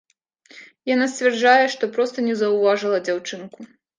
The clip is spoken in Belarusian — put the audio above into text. Яна сцвярджае, што проста не заўважыла дзяўчынку.